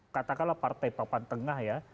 katakanlah partai papan tengah ya